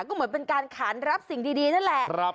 ก็เหมือนเป็นการขานรับสิ่งดีนั่นแหละ